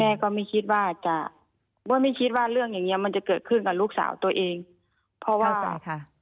ก็ไม่คิดว่าจะว่าไม่คิดว่าเรื่องอย่างเงี้มันจะเกิดขึ้นกับลูกสาวตัวเองเพราะว่าใช่ค่ะ